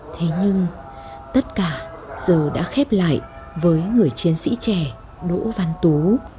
thế nhưng tất cả giờ đã khép lại với người chiến sĩ trẻ đỗ văn tú